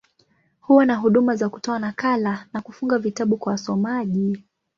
Huwa na huduma za kutoa nakala, na kufunga vitabu kwa wasomaji.